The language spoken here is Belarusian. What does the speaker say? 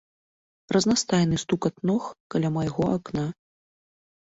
Разнастайны стукат ног каля майго акна.